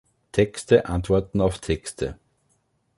Texte antworten auf Texte.